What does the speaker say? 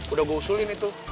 udah gue usulin itu